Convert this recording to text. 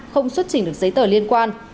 không xuất chỉnh được giấy tờ liên quan